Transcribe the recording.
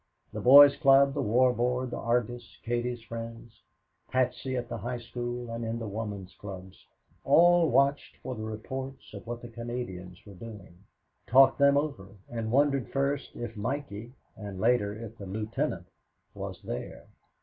The Boys' Club, the War Board, the Argus, Katie's friends, Patsy at the High School and in the Women's Clubs all watched for the reports of what the Canadians were doing talked them over, and wondered first if Mikey, and later if the Lieutenant, was there.